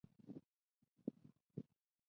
有条狗塞在岩石里面